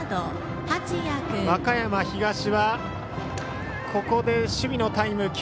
和歌山東は、ここで守備のタイム。